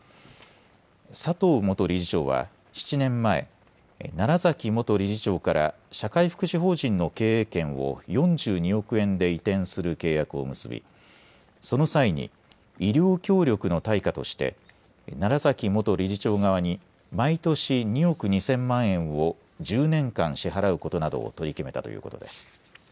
佐藤元理事長は７年前、楢崎元理事長から社会福祉法人の経営権を４２億円で移転する契約を結びその際に医療協力の対価として楢崎元理事長側に毎年２億２０００万円を１０年間支払うことなどを取り決めたということです。